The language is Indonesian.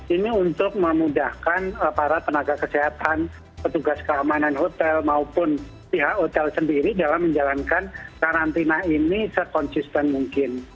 ini untuk memudahkan para tenaga kesehatan petugas keamanan hotel maupun pihak hotel sendiri dalam menjalankan karantina ini sekonsisten mungkin